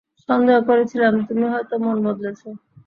সন্দেহ করেছিলাম তুমি হয়তো মন বদলেছ।